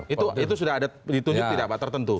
itu sudah ada ditunjuk tidak pak tertentu